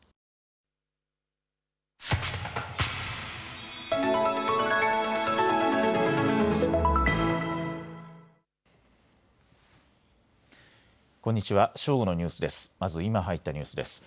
まず今入ったニュースです。